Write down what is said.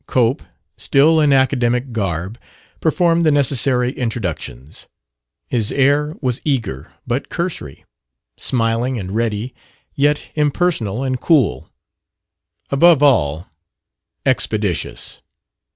Cope, still in academic garb, performed the necessary introductions. His air was eager, but cursory; smiling and ready, yet impersonal and cool; above all, expeditious.